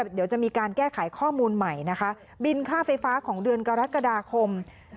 เดี๋ยวจะมีการแก้ไขข้อมูลใหม่นะคะบินค่าไฟฟ้าของเดือนกรกฎาคม